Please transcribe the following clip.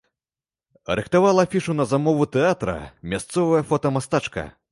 Рыхтавала афішу на замову тэатра мясцовая фотамастачка.